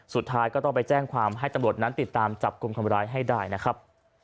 สุดท้ายก็ต้องไปแจ้งความให้ตำรวจนั้นติดตามจับกลุ่มคนร้ายให้ได้นะครับ